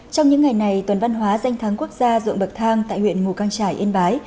trong những ngày này tuần văn hóa danh thắng quốc gia ruộng bậc thang tại huyện mù căng trải yên bái